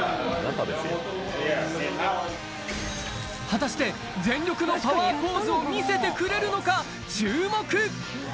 果たして全力のパワーポーズを見せてくれるのか注目！